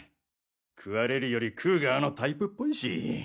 食われるより食う側のタイプっぽいし。